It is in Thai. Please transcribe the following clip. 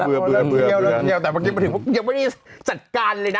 แต่เมื่อกี้มาถึงยังไม่ได้จัดการเลยนะ